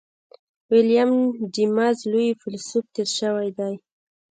ويليم جېمز لوی فيلسوف تېر شوی دی.